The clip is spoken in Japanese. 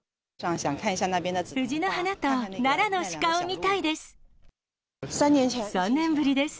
藤の花と奈良の鹿を見たいで３年ぶりです。